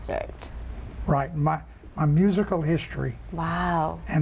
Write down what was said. ใช่ชื่อที่สุดในวีดีโอด้วยของคุณ